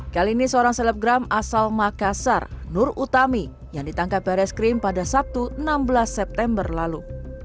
kali ini seorang selebgram asal makassar nur utami yang ditangkap baris krim pada sabtu enam belas september lalu